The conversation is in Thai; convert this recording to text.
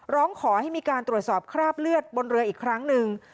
ร้องขอให้มีการตรวจสอบคราบเลือดบนเรืออีกครั้งหนึ่ง